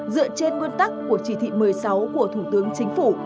dựa trên nguyên tắc của chỉ thị một mươi sáu của thủ tướng chính phủ